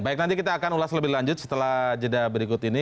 baik nanti kita akan ulas lebih lanjut setelah jeda berikut ini